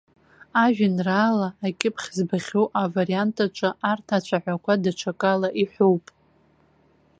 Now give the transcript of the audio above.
Ажәеинраала акьыԥхь збахьоу авариант аҿы арҭ ацәаҳәақәа даҽакала иҳәоуп.